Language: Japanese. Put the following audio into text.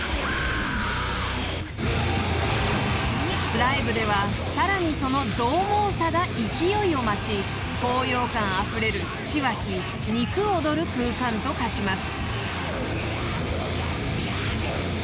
［ライブではさらにそのどう猛さが勢いを増し高揚感あふれる血湧き肉躍る空間と化します］